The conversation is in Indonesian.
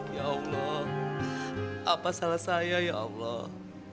ya allah apa salah saya ya allah